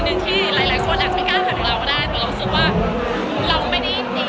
คืนทีเย็นสบายไม่รู้สักอะไรเลย